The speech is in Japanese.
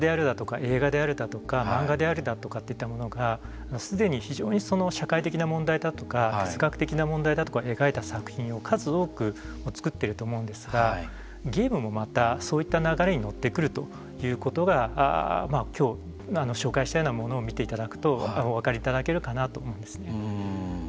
映画であるだとか漫画であるだとかといったものがすでに非常に社会的な問題だとか哲学的な問題を描いた作品を数多く作ってると思うんですがゲームもまた、そういった流れに乗ってくるということが、今日紹介したようなものを見ていただくとお分かりいただけるかなと思うんですね。